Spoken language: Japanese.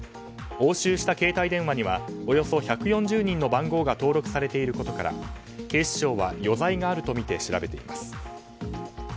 押収した携帯電話にはおよそ１４０人の番号が登録されていることから警視庁は余罪があるとみて調べています。